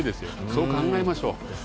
そう考えましょう。